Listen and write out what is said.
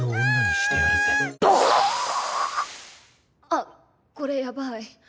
あっこれやばい。